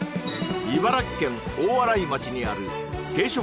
茨城県大洗町にある軽食